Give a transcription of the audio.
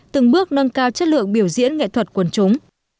từng bước nâng cao chất lượng biểu diễn nghệ thuật quần chúng